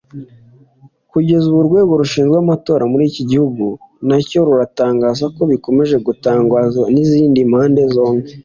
Kugeza ubu urwego rushinzwe amatora muri iki gihugu ntacyo ruratangaza kubikomeje gutangazwa n’izimpande zombi